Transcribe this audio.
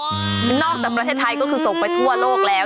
ตอนนี้นอกแต่ประเทศไทยก็คือส่งไปทั่วโลกแล้ว